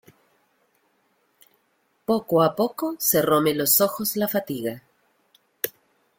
poco a poco cerróme los ojos la fatiga